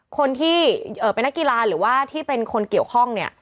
คนที่เป็นนักกีฬาหรือว่าที่เป็นคนเกี่ยวข้องเนี่ย